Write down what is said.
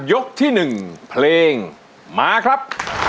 ยกที่หนึ่งเพลงมาครับ